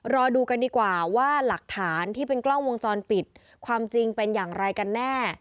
รอดูกันดีกว่าว่าหลักฐานที่เป็นกล้องวงจรปิดความจริงเป็นอย่างไรกันแน่